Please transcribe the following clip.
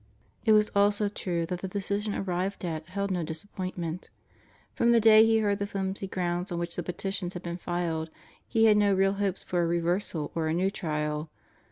It was also true that the decision arrived at held no disappointment. From the day he heard the flimsy grounds on which the petitions had been filed, he had no real hopes for a reversal or a new trial.